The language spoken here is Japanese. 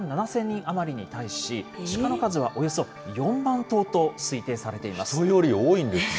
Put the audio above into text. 人口２万７０００人余りに対し、シカの数はおよそ４万頭と推定さ人より多いんですね。